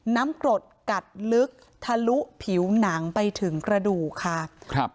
กรดกัดลึกทะลุผิวหนังไปถึงกระดูกค่ะครับ